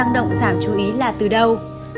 tăng động giảm chú ý là từ đâu